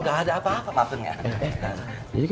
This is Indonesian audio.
tuh tambah membleh lagi